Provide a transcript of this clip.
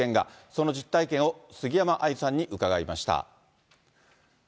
その実体験を杉山愛さんに伺いました。